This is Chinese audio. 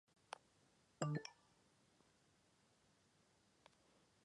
沿着永田川的旧宫川小学校校区与皇德寺新市区皆属于其学区范围内。